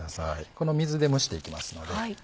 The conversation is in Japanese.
この水で蒸していきますので。